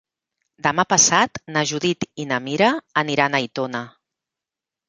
Demà passat na Judit i na Mira aniran a Aitona.